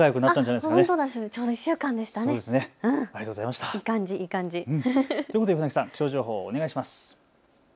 いい感じ。ということで船木さん、気象情報お願いします。